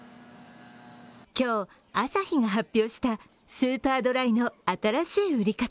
今日、アサヒが発表したスーパードライの新しい売り方。